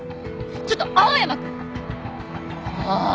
ちょっと青山くん。